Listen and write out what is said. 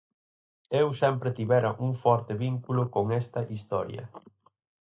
Eu sempre tivera un forte vínculo con esta historia.